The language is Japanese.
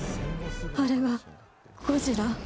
あれはゴジラ？